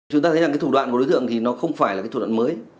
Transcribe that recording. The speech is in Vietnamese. chúng ta thấy rằng cái thủ đoạn của đối tượng thì nó không phải là cái thủ đoạn mới